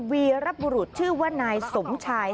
วีรบุรุษชื่อว่านายสมชาย